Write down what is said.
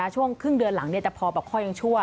ช่วงครึ่งเดือนหลังเนี่ยจะพอแบบคอยังชั่ว